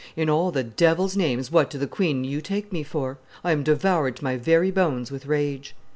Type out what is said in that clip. In all the devils' names, what do the queen and you take me for? I am devoured to my very bones with rage."